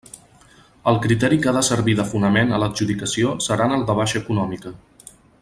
El criteri que ha de servir de fonament a l'adjudicació seran el de baixa econòmica.